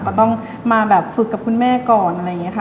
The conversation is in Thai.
ก็ต้องมาแบบฝึกกับคุณแม่ก่อนอะไรอย่างนี้ค่ะ